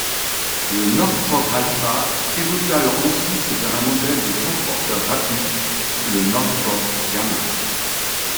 Le Northrop Alpha évolua ensuite vers un modèle de transporteur rapide, le Northrop Gamma.